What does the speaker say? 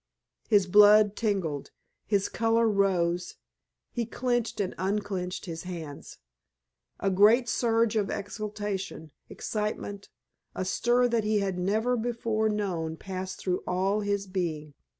His blood tingled, his color rose, he clenched and unclenched his hands, a great surge of exultation, excitement, a stir that he had never before known passed through all his being.